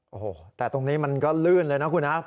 โอ้โหแต่ตรงนี้มันก็ลื่นเลยนะคุณฮะ